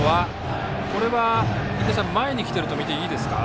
守備は前に来ているとみていいですか。